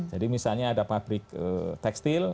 jadi misalnya ada pabrik tekstil